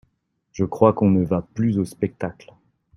Je crois qu'on ne va plus aux spectacles.